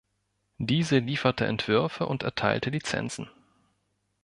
Diese lieferte Entwürfe und erteilte Lizenzen.